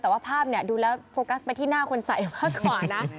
แต่ว่าภาพเนี่ยดูแล้วโฟกัสไปที่หน้าคนใส่มากกว่านะ